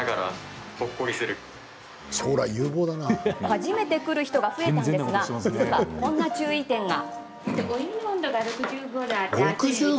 初めて来る人が増えたんですが実は、こんな注意点が。